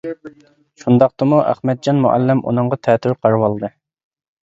شۇنداقتىمۇ ئەخمەتجان مۇئەللىم ئۇنىغا تەتۈر قارىۋالدى.